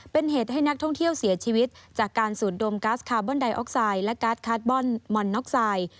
เป็นเหตุให้นักท่องเที่ยวเสียชีวิตจากการสูดดมกัสคาร์บอนไดออกไซด์และการ์ดคาร์ดบอนมอนน็อกไซด์